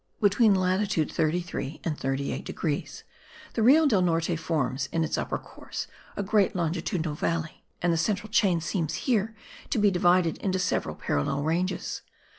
Between latitude 33 and 38 degrees, the Rio del Norte forms, in its upper course, a great longitudinal valley; and the central chain seems here to be divided into several parallel ranges.